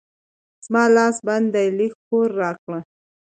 زما لاس بند دی؛ لږ پور راکړه.